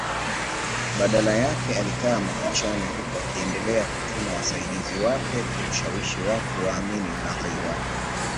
Badala yake alikaa mafichoni huku akiendelea kutuma wasaidizi wake kushawishi watu waamini ulaghai wake